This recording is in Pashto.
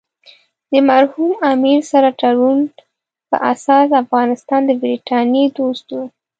د مرحوم امیر سره تړون په اساس افغانستان د برټانیې دوست وو.